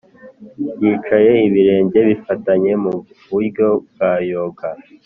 yicaye ibirenge bifatanye (mu buryo bwa yoga)